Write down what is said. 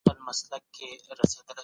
آيا بې نظمي د پرمختګ مخه نيسي؟